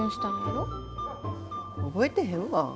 覚えてへんわ。